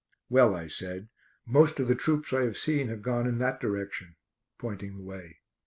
"Well," I said, "most of the troops I have seen have gone in that direction," pointing the way.